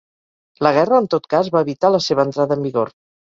La guerra, en tot cas, va evitar la seva entrada en vigor.